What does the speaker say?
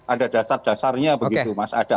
ada dasar dasarnya begitu mas ada